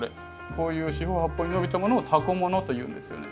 こういう四方八方に伸びたものをタコ物というんですよね。